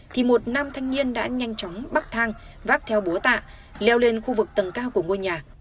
thì một nam thanh niên đã nhanh chóng bắc thang vác theo búa tạ leo lên khu vực tầng cao của ngôi nhà